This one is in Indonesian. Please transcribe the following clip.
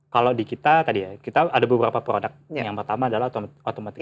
kalau di kita tadi ya kita ada beberapa produk yang pertama adalah otomatis